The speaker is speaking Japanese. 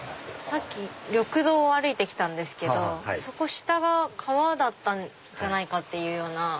さっき緑道を歩いて来たんですけどそこ下が川だったんじゃないかっていう。